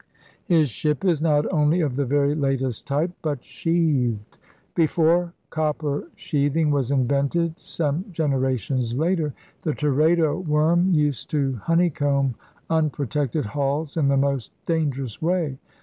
*His ship is not only of the very latest type but sheathed.' Before copper sheathing was invented some generations later, the Teredo worm used to honeycomb unprotected hulls in the most danger ous way.